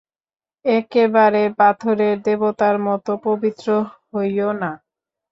একেবারে পাথরের দেবতার মতো পবিত্র হইয়ো না।